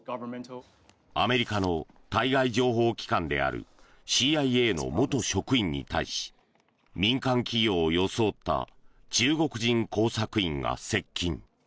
アメリカの対外情報機関であるＣＩＡの元職員に対し民間企業を装った中国人工作員が接近。